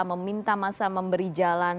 meminta masa memberi jalan